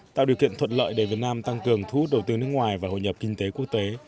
tạo điều kiện thuận lợi để việt nam tăng cường thu hút đầu tư nước ngoài và hội nhập kinh tế quốc tế